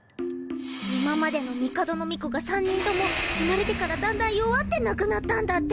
今までの帝の御子が３人とも生まれてからだんだん弱って亡くなったんだって。